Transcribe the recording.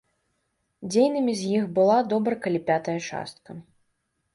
Дзейнымі з іх была добра калі пятая частка.